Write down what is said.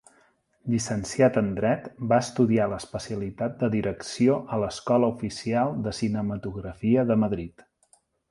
Llicenciat en Dret, va estudiar l'especialitat de Direcció a l'Escola Oficial de Cinematografia de Madrid.